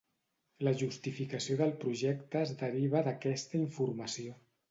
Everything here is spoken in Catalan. La justificació del projecte es deriva d'aquesta informació.